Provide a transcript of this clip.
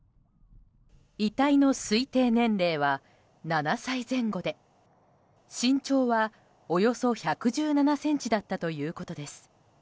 遺体の推定年齢は７歳前後で身長は、およそ１１７ｃｍだったということです。